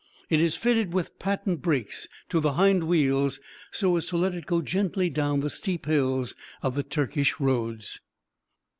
It is fitted with patent breaks to the hind wheels so as to let it go gently down the steep hills of the Turkish roads."